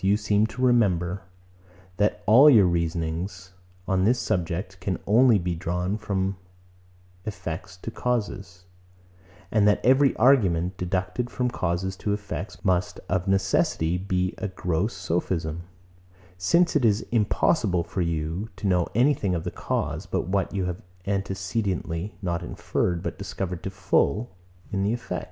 You seem not to remember, that all your reasonings on this subject can only be drawn from effects to causes; and that every argument, deducted from causes to effects, must of necessity be a gross sophism; since it is impossible for you to know anything of the cause, but what you have antecedently, not inferred, but discovered to the full, in the effect.